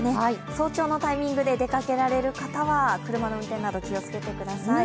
早朝のタイミングで出かけられる方は、車の運転など気をつけてください。